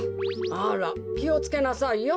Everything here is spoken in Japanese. あらきをつけなさいよ。